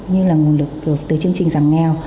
như là nguồn lực từ chương trình giảm nghèo